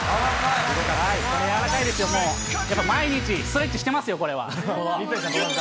体柔らかいですよ、やっぱ毎日、ストレッチしてますよ、これは。